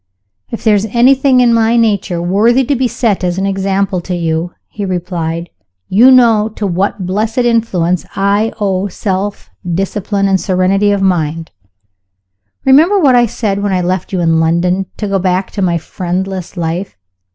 "If there is anything in my nature, worthy to be set as an example to you," he replied, "you know to what blessed influence I owe self discipline and serenity of mind. Remember what I said when I left you in London, to go back to my friendless life.